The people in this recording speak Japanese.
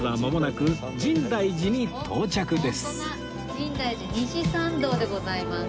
深大寺西参道でございます。